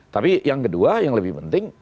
tapi yang kedua yang lebih penting